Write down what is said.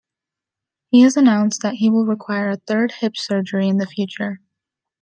He has announced that he will require a third hip surgery in the future.